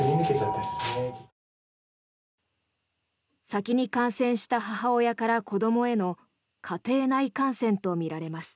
先に感染した母親から子どもへの家庭内感染とみられます。